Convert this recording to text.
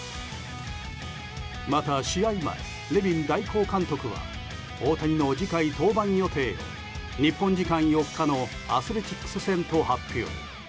また試合前、ネビン代行監督は大谷の次回登板予定を日本時間４日のアスレチックス戦と発表。